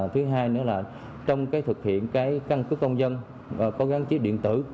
thứ hai nữa là trong cái thực hiện cái căn cước công dân có gắn chip điện tử